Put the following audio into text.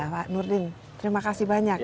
pak nurdin terima kasih banyak